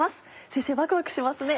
先生ワクワクしますね。